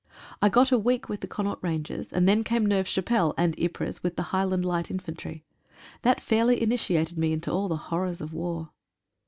I got a week with the Connaught Rangers, and then came Neuve Chapelle, and Ypres with the Highland Light Infantry. That fairly initiated me into all the horrors of war.